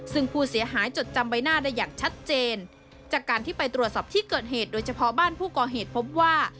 ซึ่งผู้เสียหายจดจำใบหน้าได้อย่างชัดเจนจากการที่ไปตรวจสอบที่เกิดเหตุโดยเฉพาะบ้านผู้ก่อเหตุพบว่า